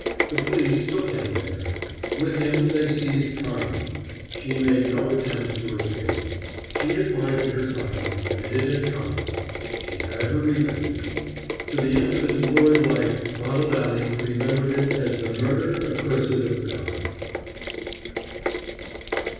The police took him there. With him they seized Carmen. She made no attempt to escape. She had bided her time, and it had come. She had her revenge. To the end of its lurid life Bottle Alley remembered it as the murder accursed of God.